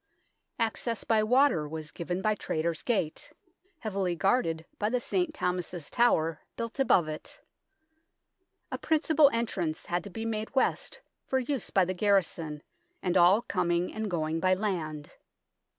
Access by water was given by Traitors' 20 THE TOWER OF LONDON Gate, heavily guarded by the St. Thomas's Tower, built above it. A principal entrance had to be made west for use by the garrison and all coming and going by land.